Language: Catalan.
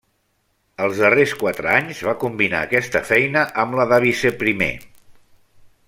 Els darrers quatre anys va combinar aquesta feina amb la de Viceprimer.